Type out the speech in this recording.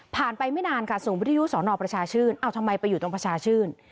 ผ่านไปไม่นานค่ะส่วนวิทยุศรณประชาชื่นเอาทำไมไปอยู่ตรงประชาชื่น